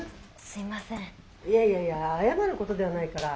いやいやいや謝ることではないから。